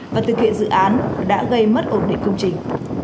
và thực hiện dự án đã gây mất ổn định công trình